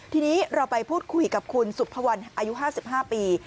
ทีนี้เราไปพูดคุยกับคุณสุภวรรณอายุ๕๕ปี